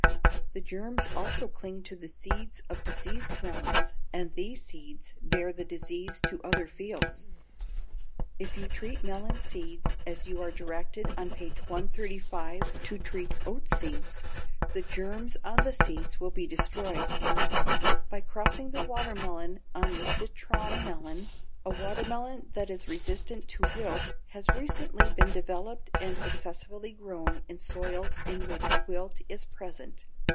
The germs also cling to the seeds of diseased melons, and these seeds bear the disease to other fields. If you treat melon seeds as you are directed on page 135 to treat oat seeds, the germs on the seeds will be destroyed. By crossing the watermelon on the citron melon, a watermelon that is resistant to wilt has recently been developed and successfully grown in soils in which wilt is present.